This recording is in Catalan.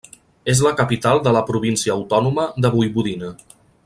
És la capital de la província autònoma de Voivodina.